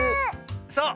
そう。